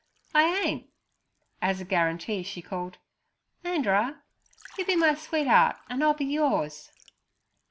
'I ain't.' As a guarantee she called, 'Anderer, you be my sweet'eart, and I'll be yours.'